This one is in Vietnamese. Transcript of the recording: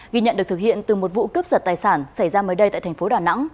ghi nhận được thực hiện từ một vụ cướp giật tài sản xảy ra mới đây tại thành phố đà nẵng